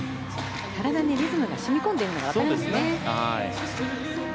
体にリズムが染み込んでいるのが分かりますね。